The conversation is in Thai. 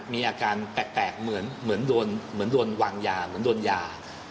มีอาการแปลกเหมือนโดนวางยาเหมือนโดนยา